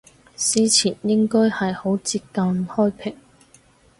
司前應該係好接近開平